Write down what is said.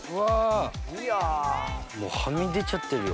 もうはみ出ちゃってるよ。